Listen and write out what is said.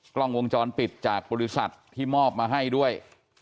กล้องวงจรปิดจากบริษัทที่มอบมาให้ด้วย